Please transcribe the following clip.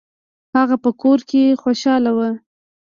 هغه په کور کې خوشحاله و.